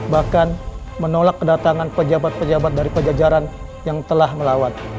bahkan menolak kedatangan pejabat pejabat dari pejajaran yang telah melawan